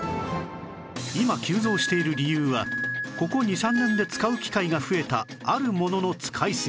今急増している理由はここ２３年で使う機会が増えたあるものの使いすぎ